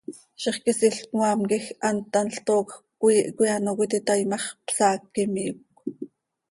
Zixquisiil cmaam quij hant thanl toocj cöquiih coi ano cöititaai ma x, psaac imiicö.